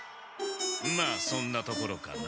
まあそんなところかな。